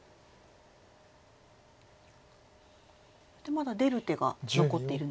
まだ出る手が残っているんですか？